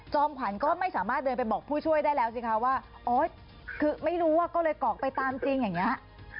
ขวัญก็ไม่สามารถเดินไปบอกผู้ช่วยได้แล้วสิคะว่าโอ๊ยคือไม่รู้ว่าก็เลยกรอกไปตามจริงอย่างนี้